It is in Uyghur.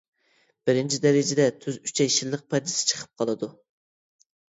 بىرىنچى دەرىجىدە تۈز ئۈچەي شىللىق پەردىسى چىقىپ قالىدۇ.